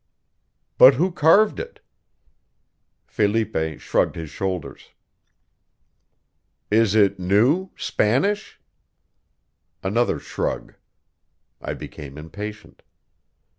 "But who carved it?" Felipe shrugged his shoulders. "Is it new Spanish?" Another shrug. I became impatient.